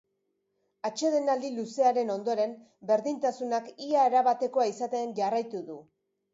Atsedenaldi luzearen ondoren, berdintasunak ia erabatekoa izaten jarraitu du.